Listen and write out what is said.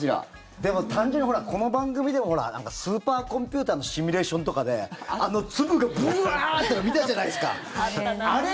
でも単純にこの番組でもなんかスーパーコンピューターのシミュレーションとかで粒がブワーッていうの見たじゃないですか。